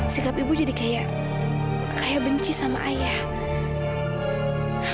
sikap ibu jadi kayak benci sama ayah